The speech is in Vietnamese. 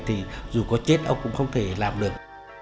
thì dù có chết ông cũng không thể làm được